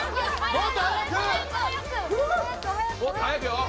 もっと速くよ。